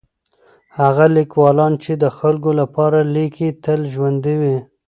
هغه ليکوالان چي د خلګو لپاره ليکي تل ژوندي وي.